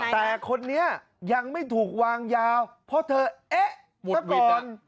แต่คนนี้ยังไม่ถูกวางยาวเพราะเธอเอ๊ะซะก่อน